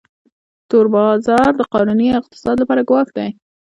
تور بازار د قانوني اقتصاد لپاره ګواښ دی